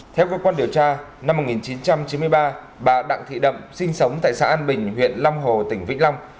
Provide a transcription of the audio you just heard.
theo cơ quan điều tra năm một nghìn chín trăm chín mươi ba bà đặng thị đậm sinh sống tại xã an bình huyện long hồ tỉnh vĩnh long